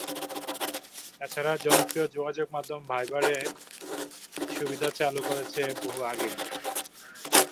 এ ছাড়া জনপ্রিয় যোগাযোগমাধ্যম ভাইবার এ সুবিধা চালু করছে বহু আগেই।